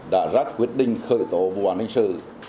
đã ra quyết định khởi tố vụ án hình sự